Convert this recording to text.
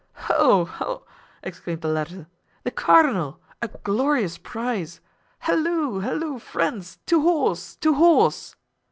"Ho! ho!" exclaimed the latter, "the cardinal! a glorious prize! Halloo! halloo! friends! to horse! to horse!"